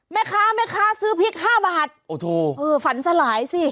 แม่คะแม่ค้าซื้อพีช๕บาท